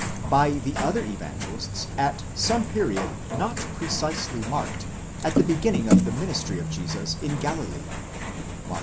by the other Evangelists, at some period, not precisely marked, at the beginning of the ministry of Jesus in Galilee (Mark i.